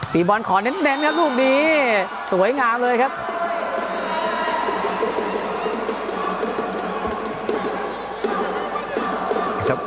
บอลขอเน้นครับลูกนี้สวยงามเลยครับ